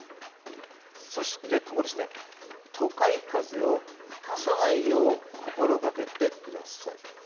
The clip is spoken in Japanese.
そして都会風を吹かさないよう心がけてください。